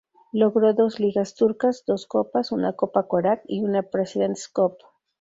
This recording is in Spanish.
Logró dos ligas turcas, dos copas, una Copa Korac y una President's Cup.